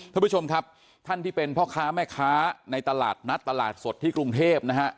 ท่านผู้ชมครับท่านที่เป็นพ่อค้าแม่ค้าในตลาดนัดตลาดสดที่กรุงเทพนะฮะ